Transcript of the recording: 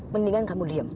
mendingan kamu diem